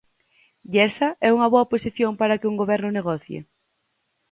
¿E esa é unha boa posición para que un goberno negocie?